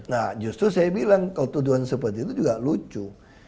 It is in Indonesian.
nah justru saya bilang kalau tuduhan seperti itu juga lucu